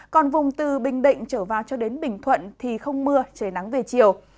còn vùng từ bình định trở vào cho đến bình thuận thì không mưa trời nắng về chiều